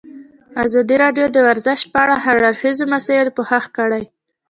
ازادي راډیو د ورزش په اړه د هر اړخیزو مسایلو پوښښ کړی.